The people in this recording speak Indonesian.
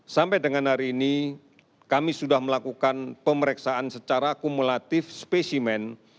sampai dengan hari ini kami sudah melakukan pemeriksaan secara akumulatif spesimen